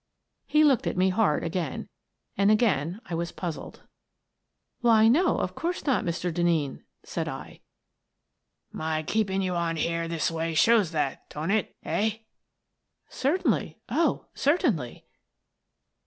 He looked at me hard again, and again I was puzzled. I Resign 155 " Why, no, of course not, Mr. Denneen," said I. " My keeping you on here this way shows that, don't it, eh?" " Certainly — oh, certainly